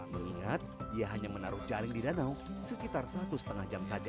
mengingat ia hanya menaruh jaring di danau sekitar satu setengah jam saja